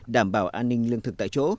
đảm bảo an ninh lương thực tại chỗ